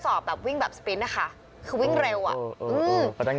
ก็จะเปิดเหมือนคนวิ่งราวของ